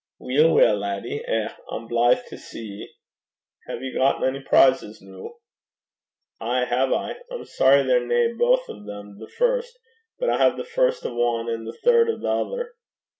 'Weel, weel, laddie. Eh! I'm blythe to see ye! Hae ye gotten ony prizes noo?' 'Ay have I. I'm sorry they're nae baith o' them the first. But I hae the first o' ane an' the third o' the ither.'